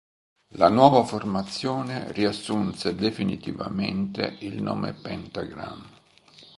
La nuova formazione riassunse definitivamente il nome Pentagram.